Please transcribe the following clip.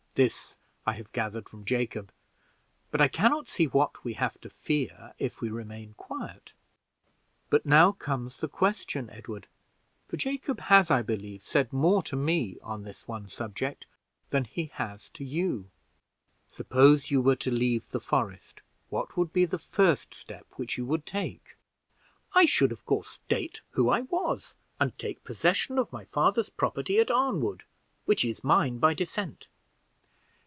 This I have gathered from Jacob: but I can not see what we have to fear if we remain quiet. But now comes the question, Edward, for Jacob has, I believe, said more to me on one subject than he has to you. Suppose you were to leave the forest, what would be the first step which you would take?" "I should, of course, state who I was, and take possession of my father's property at Arnwood, which is mine by descent."